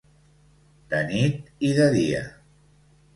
De nit i de dia.